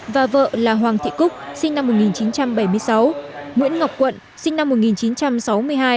và vợ là hoàng thị cúc sinh năm một nghìn chín trăm bảy mươi sáu nguyễn ngọc quận sinh năm một nghìn chín trăm sáu mươi hai